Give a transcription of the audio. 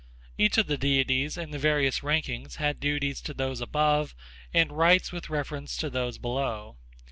Each of the deities in the various ranks had duties to those above and rights with reference to those below.